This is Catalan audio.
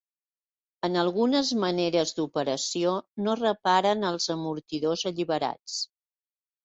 En algunes maneres d'operació, no repara en els amortidors alliberats.